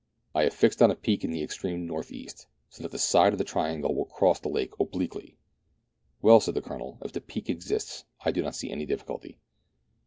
I have fixed on a peak in the extreme north east, so that the side of the triangle will cross the lake obliquely." " Well," said the Colonel, " if the peak exists, I do not see any difficulty."